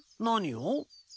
何を？